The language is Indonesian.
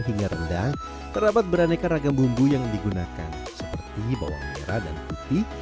hingga rendang terdapat beraneka ragam bumbu yang digunakan seperti bawang merah dan putih